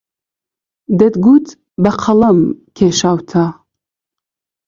دەتگوت بە قەڵەم کێشاوتە